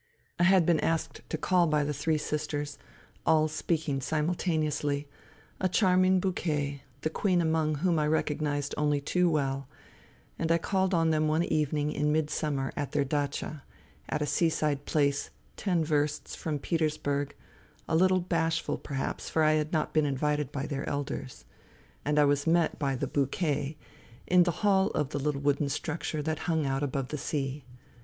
I had been asked to call by the three sisters, all speaking simultaneously — a charming bouquet, the queen among whom I recognized only too well, and I called on them one evening in mid summer at their datcha, at a sea side place ten versts from Petersburg, a little bashful perhaps for I had not been invited by their elders ; and I was met by the " bouquet " in the hall of the little wooden structure that hung out above the sea.